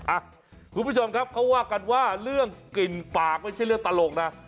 อ่ะคุณผู้ชมครับเขาว่ากันว่าเรื่องกลิ่นปากไม่ใช่เรื่องตลกนะ